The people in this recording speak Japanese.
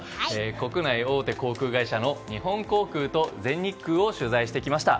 国内大手航空会社の日本航空と全日空を取材してきました。